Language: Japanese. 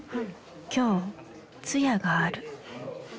今日通夜がある。